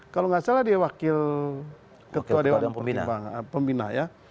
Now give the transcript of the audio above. kalau tidak salah dia wakil ketua pembina